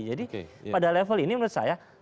jadi pada level ini menurut saya